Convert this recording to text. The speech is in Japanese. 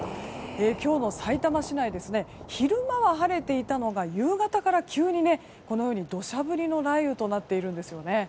今日のさいたま市内昼間は晴れていたのが夕方から急にこのように土砂降りの雷雨となっているんですね。